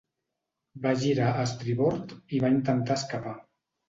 Va girar a estribord i va intentar escapar.